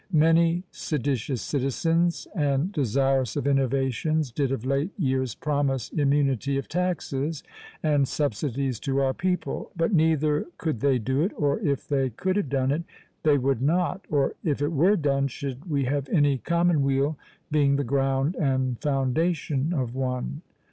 "Many seditious citizens, and desirous of innovations, did of late years promise immunity of taxes and subsidies to our people; but neither could they do it, or if they could have done it, they would not; or if it were done, should we have any commonweal, being the ground and foundation of one."